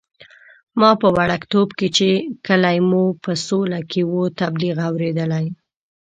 ما په وړکتوب کې چې کلی مو په سوله کې وو، تبلیغ اورېدلی.